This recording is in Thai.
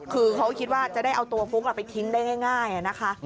คือเขาก็คิดว่าจะได้เอาตัวฟุ้งไปทิ้งได้ง่ายนะคะ